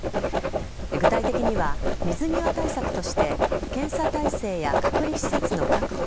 具体的には、水際対策として検査体制や隔離施設の確保